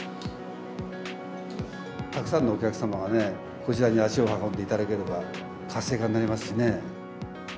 たくさんのお客様がね、こちらに足を運んでいただければ活性化になりますしね。